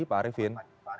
selamat pagi pak arifin